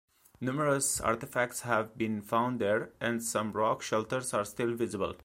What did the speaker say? Numerous artifacts have been found there and some rock shelters are still visible.